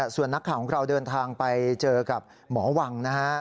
ส่วนนักข่าวของเราเดินทางไปเจอกับหมอวังนะฮะ